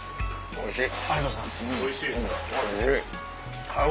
おいしい。